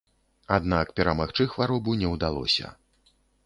Аднак перамагчы хваробу не ўдалося.